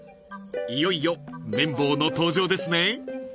［いよいよ麺棒の登場ですね］